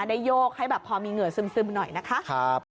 โยกให้แบบพอมีเหงื่อซึมหน่อยนะคะ